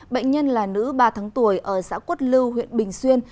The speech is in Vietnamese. bệnh nhân là nữ ba tháng tuổi ở xã quất lưu huyện bình xuyên